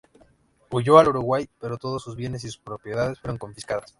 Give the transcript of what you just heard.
Huyó al Uruguay, pero todos sus bienes y sus propiedades fueron confiscadas.